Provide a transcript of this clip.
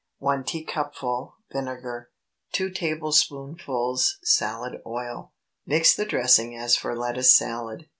1 teacupful vinegar. 2 tablespoonfuls salad oil. Mix the dressing as for lettuce salad.